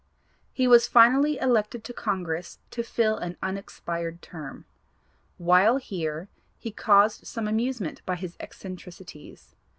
He was finally elected to Congress to fill an unexpired term. While here he caused some amusement by his eccentricities.